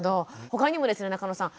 ほかにもですね中野さん